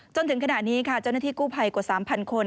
จนถึงขณะนี้ค่ะเจ้าหน้าที่กู้ภัยกว่า๓๐๐คน